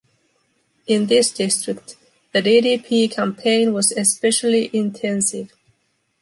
In this district, the ddp campaign was especially intensive.